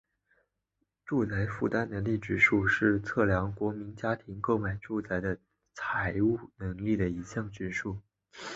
住宅负担能力指数是一个测量国民家庭购买住宅的财务能力的一项指数。